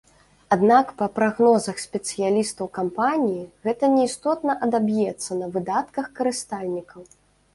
Аднак па прагнозах спецыялістаў кампаніі, гэта неістотна адаб'ецца на выдатках карыстальнікаў.